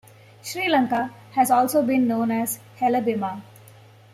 Sri Lanka has also been known as "Helabima".